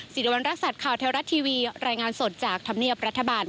ศิริวัณรักษัตริย์ข่าวเทวรัฐทีวีรายงานสดจากธรรมเนียบรัฐบาล